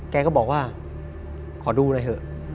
แกก็บอกว่าขอดูหน่อยเถอะ